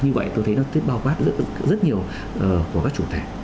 như vậy tôi thấy nó bao quát rất nhiều của các chủ tệ